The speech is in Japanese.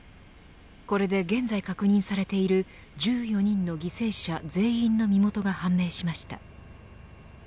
これで現在確認されている１４人の犠牲者全員の身元が判明しました。